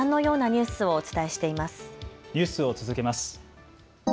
ニュースを続けます。